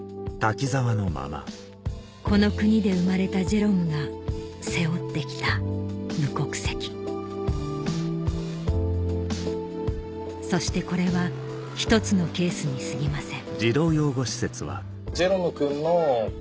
この国で生まれたジェロムが背負って来た無国籍そしてこれは１つのケースにすぎません